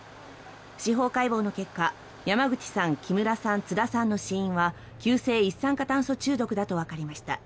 司法解剖の結果山口さん、木村さん、津田さんの死因は急性一酸化炭素中毒だとわかりました。